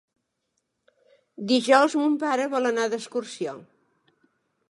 Dijous mon pare vol anar d'excursió.